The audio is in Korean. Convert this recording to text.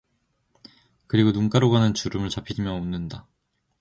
그리고 눈가로 가는 주름을 잡히며 웃는다.